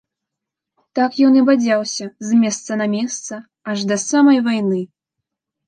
Так ён і бадзяўся з месца на месца аж да самай вайны.